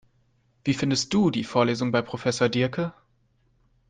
Wie findest du die Vorlesungen bei Professor Diercke?